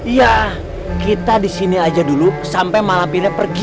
iya kita disini aja dulu sampai malampirnya pergi